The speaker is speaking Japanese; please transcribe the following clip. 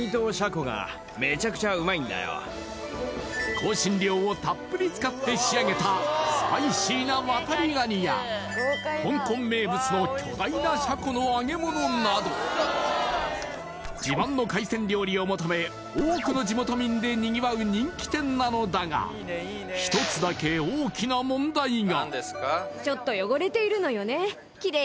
香辛料をたっぷり使って仕上げたスパイシーなワタリガニや香港名物の巨大なシャコの揚げ物など自慢の海鮮料理を求め多くの地元民でにぎわう人気店なのだが、１つだけ大きな問題が。